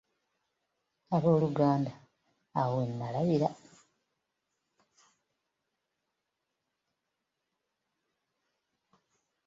Ab'oluganda awo we nnalabira.